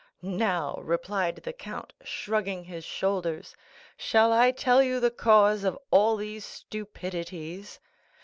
"Now," replied the count, shrugging his shoulders, "shall I tell you the cause of all these stupidities?